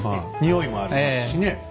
匂いもありますしね。